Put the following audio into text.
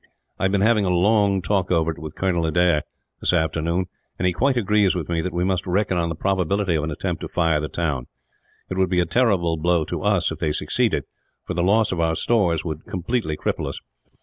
I have been having a long talk over it with Colonel Adair, this afternoon, and he quite agrees with me that we must reckon on the probability of an attempt to fire the town. It would be a terrible blow to us if they succeeded, for the loss of our stores would completely cripple us.